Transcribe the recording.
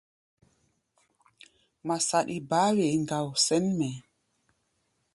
Ŋma saɗi baá wee ŋgao sɛ̌n mɛʼí̧.